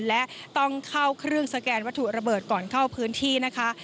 และต้องเข้าเครื่องสแกนวัตถุระเบิดก่อนเข้าพื้นที่นะคะ